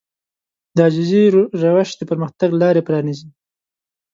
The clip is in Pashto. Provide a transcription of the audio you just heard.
د عاجزي روش د پرمختګ لارې پرانيزي.